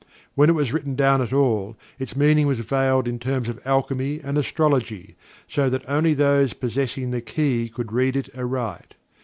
When it was written down at all, its meaning was veiled in terms of alchemy and astrology so that only those possessing the key could read it aright.